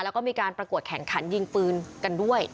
แล้วก็มีการประกวดแข่งขันยิงปืนกันด้วย